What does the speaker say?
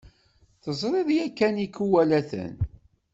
Teẓriḍ yakan ikuwalaten?